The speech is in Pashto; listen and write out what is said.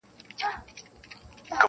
خو په کار د عاشقی کي بې صبري مزه کوینه-